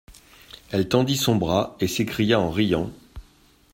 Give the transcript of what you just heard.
Elle tendit son bras, et s'écria en riant.